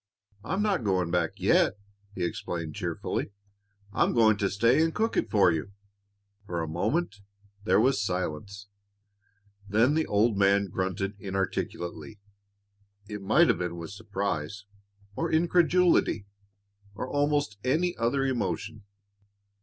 "I'm not going back yet," he explained cheerfully. "I'm going to stay and cook it for you." For a moment there was silence. Then the old man grunted inarticulately; it might have been with surprise, or incredulity, or almost any other emotion.